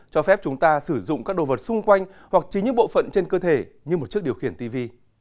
cho phép chúng ta sử dụng các đồ vật xung quanh hoặc chính những bộ phận trên cơ thể như một chiếc điều khiển tv